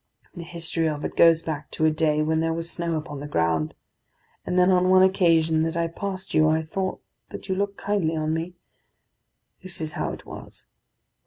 The history of it goes back to a day when there was snow upon the ground. And then on one occasion that I passed you, I thought that you looked kindly on me. This is how it was.